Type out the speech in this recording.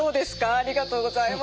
ありがとうございます。